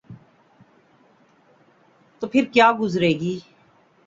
تو پھرکیا گزرے گی؟